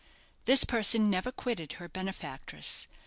This person never quitted her benefactress.